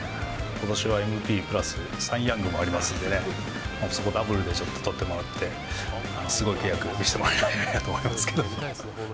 ことしはＭＶＰプラスサイ・ヤングもありますんでね、そこ、ダブルでちょっと取ってもらって、すごい契約を見せてもらえたらいいなと思いますけどね。